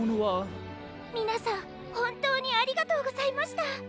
みなさんほんとうにありがとうございました。